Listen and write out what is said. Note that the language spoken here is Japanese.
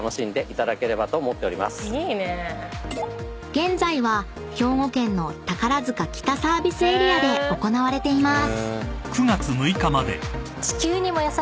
［現在は兵庫県の宝塚北サービスエリアで行われています］